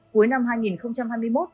cuối năm hai nghìn hai mươi một